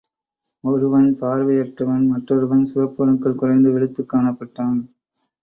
ஒருவன் பார்வை அற்றவன் மற்றொருவன் சிவப்பு அணுக்கள் குறைந்து வெளுத்துக் காணப்பட்டான்.